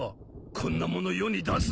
こんなもの世に出すな！